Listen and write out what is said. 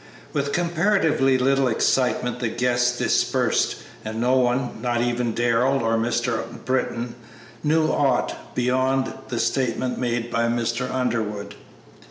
With comparatively little excitement the guests dispersed, and no one, not even Darrell or Mr. Britton, knew aught beyond the statement made by Mr. Underwood.